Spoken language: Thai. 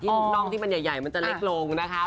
ลูกน่องที่มันใหญ่มันจะเล็กลงนะคะ